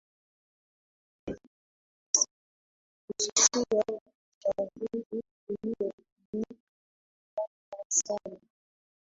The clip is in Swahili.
kususia uchaguzi uliofanyika novemba saba